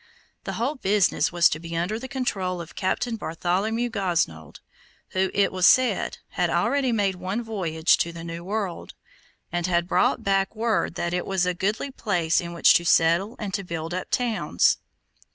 The whole business was to be under the control of Captain Bartholomew Gosnold, who, it was said, had already made one voyage to the new world, and had brought back word that it was a goodly place in which to settle and to build up towns.